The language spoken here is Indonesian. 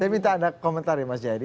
saya minta anda komentari mas jayadi